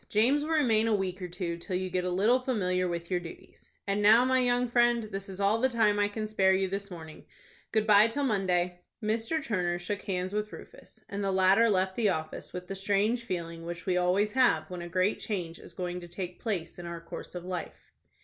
James will remain a week or two, till you get a little familiar with your duties. And now, my young friend, this is all the time I can spare you this morning. Good by till Monday." Mr. Turner shook hands with Rufus, and the latter left the office with the strange feeling which we always have when a great change is going to take place in our course of life.